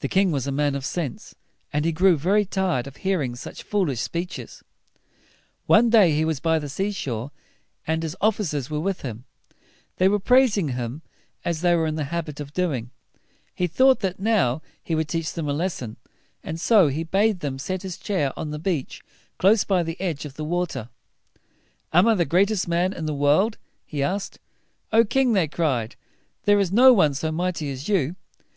The king was a man of sense, and he grew very tired of hearing such foolish speeches. One day he was by the sea shore, and his of fi cers were with him. They were praising him, as they were in the habit of doing. He thought that now he would teach them a lesson, and so he bade them set his chair on the beach close by the edge of the water. "Am I the greatest man in the world?" he asked. "O king!" they cried, "there is no one so mighty as you."